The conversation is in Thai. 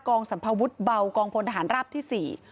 สัมภวุฒิเบากองพลทหารราบที่๔